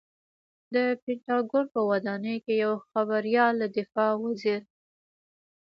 د پنټاګون په ودانۍ کې یوه خبریال له دفاع وزیر